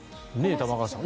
玉川さん。